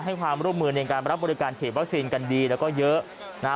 ให้ความร่วมมือในการรับบริการฉีดวัคซีนกันดีแล้วก็เยอะนะฮะ